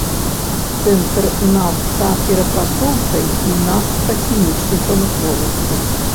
Цэнтр нафтаперапрацоўчай і нафтахімічнай прамысловасці.